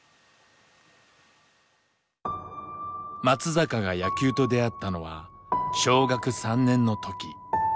松坂が野球と出会ったのは小学３年の時。